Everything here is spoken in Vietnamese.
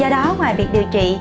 đó ngoài việc điều trị